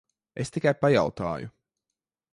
Es tikai pajautāju.